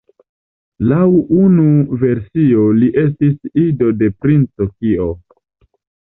Laŭ unu versio li estis ido de Princo Kio.